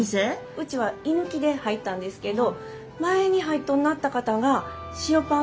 うちは居抜きで入ったんですけど前に入っとんなった方が塩パン出しとんなりました。